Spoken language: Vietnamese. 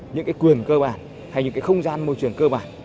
những cái quyền cơ bản hay những cái không gian môi trường cơ bản